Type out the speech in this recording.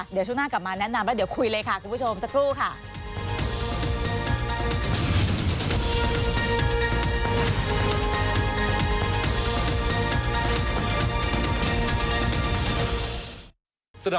เดี๋ยวช่วงหน้ากลับมาแนะนำแล้วเดี๋ยวคุยเลยค่ะคุณผู้ชมสักครู่ค่ะ